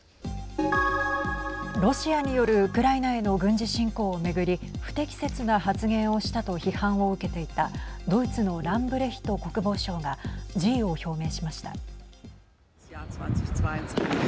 ロシアによるウクライナへの軍事侵攻を巡り不適切な発言をしたと批判を受けていたドイツのランブレヒト国防相が辞意を表明しました。